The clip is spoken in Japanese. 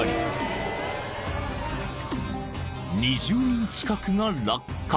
［２０人近くが落下］